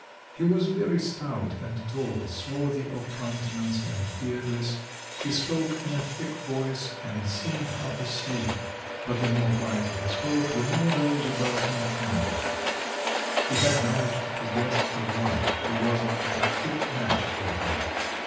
He was very stout and tall, swarthy of countenance and beardless, he spoke in a thick voice and seemed half asleep; but the more quietly he spoke the more those about him trembled. He had managed to get a wife who was a fit match for him.